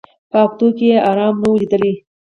په هفتو کي یې آرام نه وو لیدلی